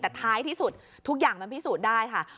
แต่ท้ายที่สุดทุกอย่างมันพิสูจน์ได้ค่ะ